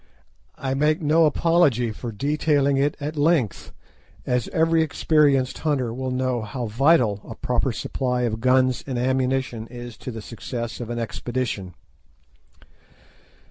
I make no apology for detailing it at length, as every experienced hunter will know how vital a proper supply of guns and ammunition is to the success of an expedition.